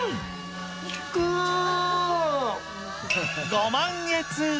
ご満悦。